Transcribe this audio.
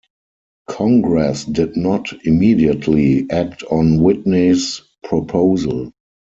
Congress did not immediately act on Whitney's proposal.